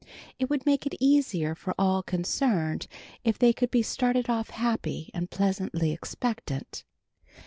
It would make it easier for all concerned if they could be started off happy and pleasantly expectant.